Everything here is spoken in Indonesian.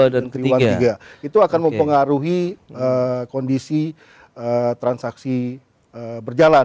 dua dan triwulan tiga itu akan mempengaruhi kondisi transaksi berjalan jalan